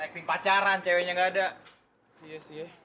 ini pacar saya pemalu ya